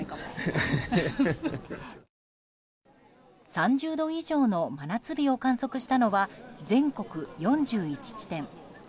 ３０度以上の真夏日を観測したのは全国４１地点。